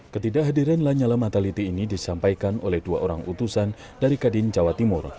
ketidakhadiran lanyala mataliti ini disampaikan oleh dua orang utusan dari kadin jawa timur